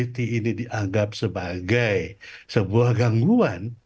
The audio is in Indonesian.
ini dianggap sebagai sebuah gangguan